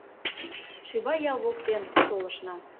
Шибай ял воктен солышна.